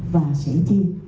và sáng tạo